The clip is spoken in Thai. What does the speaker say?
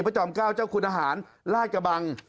พระจอม๙เจ้าคุณอาหารราชบัง